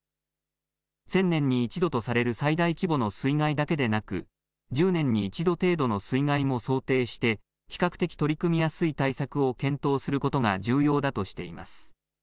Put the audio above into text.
１０００年に１度とされる最大規模の水害だけでなく１０年に１度程度の水害も想定して比較的取り組みやすい対策を検討することが重要だとしています。